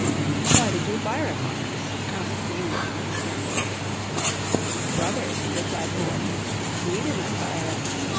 "Why did you fire upon us?" asked the Englishmen, sternly. "Brothers," replied the Redmen, "we did not fire upon you.